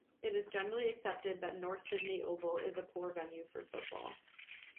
It is generally accepted that North Sydney Oval is a poor venue for football.